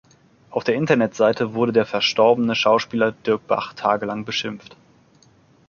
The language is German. Auf der Internetseite wurde der verstorbene Schauspieler Dirk Bach tagelang beschimpft.